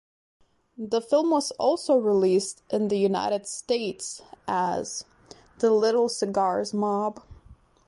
The film was also released in the United States as "The Little Cigars Mob".